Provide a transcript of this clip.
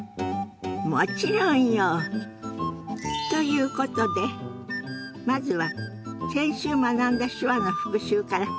もちろんよ！ということでまずは先週学んだ手話の復習から始めましょ。